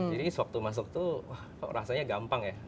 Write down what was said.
jadi sewaktu masuk tuh rasanya gampang ya